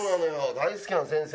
大好きな先生